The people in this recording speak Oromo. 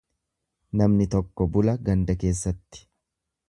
Namni tokko bula ganda keessatti.